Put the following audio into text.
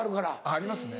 ありますね。